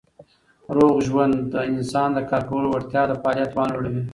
روغ ژوند د انسان د کار کولو وړتیا او د فعالیت توان لوړوي.